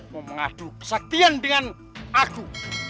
memengadu kesaktian dengan aku